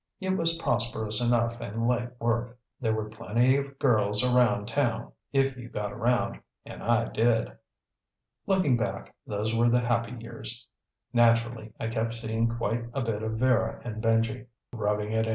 It was prosperous enough and light work. There were plenty of girls around town if you got around, and I did. Looking back, those were the happy years. Naturally I kept seeing quite a bit of Vera and Benji. Rubbing it in?